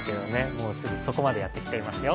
もうすぐそこまでやってきていますよ。